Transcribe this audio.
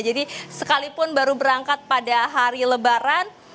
jadi sekalipun baru berangkat pada hari lebaran